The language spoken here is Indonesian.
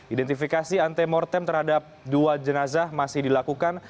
identifikasi antemortem terhadap dua jenazah masih dilakukan